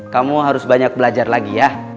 kamu harus banyak belajar lagi ya